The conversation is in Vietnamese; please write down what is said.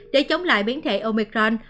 để chống lại biến thể omicron